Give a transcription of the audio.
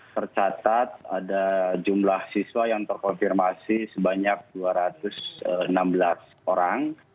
tercatat ada jumlah siswa yang terkonfirmasi sebanyak dua ratus enam belas orang